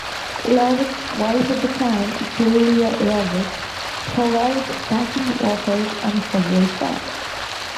Lovett's wife at the time, Julia Roberts, provides backing vocals on several tracks.